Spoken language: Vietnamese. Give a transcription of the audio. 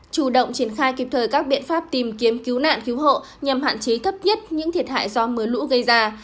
chủ động triển khai kịp thời các biện pháp tìm kiếm cứu nạn cứu hộ nhằm hạn chế thấp nhất những thiệt hại do mưa lũ gây ra